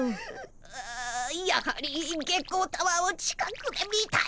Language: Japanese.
あやはり月光タワーを近くで見たい。